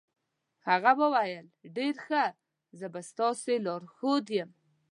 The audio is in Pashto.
هغه وویل ډېر ښه، زه به ستاسې لارښود یم.